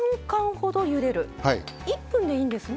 １分でいいんですね。